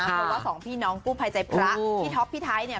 ก็ว่าสองพี่น้องปูพายใจพระอู้พี่ท็อปพี่ไทเนี่ย